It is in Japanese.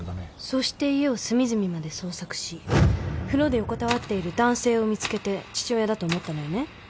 そして家を隅々まで捜索し風呂で横たわっている男性を見つけて父親だと思ったのよね。